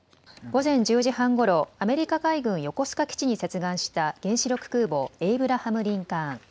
午前１０時半ごろアメリカ海軍横須賀基地に接岸した原子力空母エイブラハム・リンカーン。